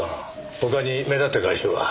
他に目立った外傷は？